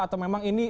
ini sudah menjelaskan